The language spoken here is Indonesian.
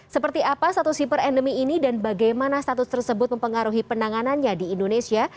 seperti apa status hiperendemi ini dan bagaimana status tersebut mempengaruhi penanganannya di indonesia